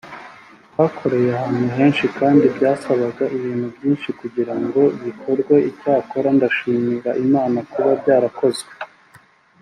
twakoreye ahantu henshi kandi byasabaga ibintu byinshi kugira ngo bikorwe icyakora ndashimira Imana kuba byarakozwe